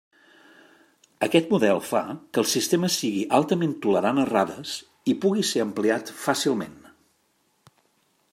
Aquest model fa que el sistema sigui altament tolerant a errades i pugui ser ampliat fàcilment.